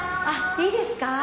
いいですか？